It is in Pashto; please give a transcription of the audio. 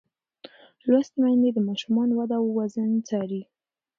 لوستې میندې د ماشوم وده او وزن څاري.